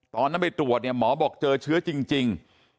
ตอนนั้นไปตรวจเนี่ยหมอบอกเจอเชื้อจริง